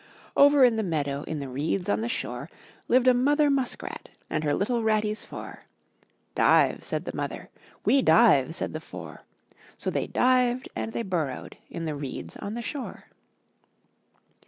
Over in the meadow, In the reeds on the shore. Lived a mother muskrat And her ratties four. "Dive,'' said the mother; "We dive,'* said the four; So they dived and they burrowed In the reeds on the shore.